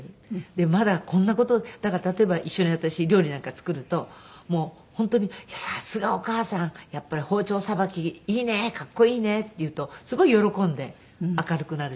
でまだこんな事例えば一緒に私料理なんか作ると本当に「さすがお母さんやっぱり包丁さばきいいねかっこいいね」って言うとすごい喜んで明るくなるし。